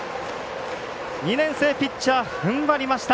２年生ピッチャーふんばりました。